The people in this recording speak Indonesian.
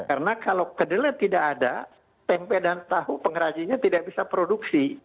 karena kalau kedelai tidak ada tempe dan tahu pengrajinya tidak bisa produksi